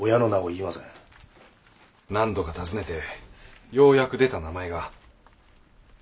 何度か尋ねてようやく出た名前が。